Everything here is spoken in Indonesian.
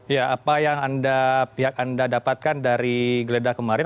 ya apa yang anda pihak anda dapatkan dari geledah kemarin